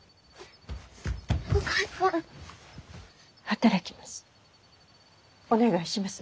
働きます。